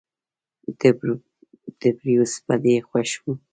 تبریوس په دې خوښ و.